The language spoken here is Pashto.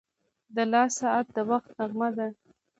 • د لاس ساعت د وخت نغمه ده.